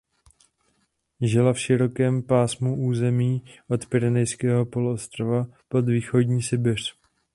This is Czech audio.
Žila v širokém pásu území od Pyrenejského poloostrova po východní Sibiř.